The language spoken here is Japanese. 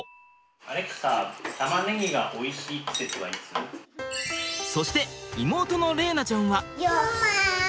アレクサそして妹の玲菜ちゃんは。